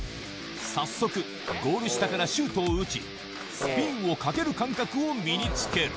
早速、ゴール下からシュートを打ち、スピンをかける感覚を身につける。